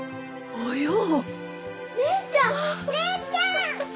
およう！